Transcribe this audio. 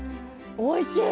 おいしい！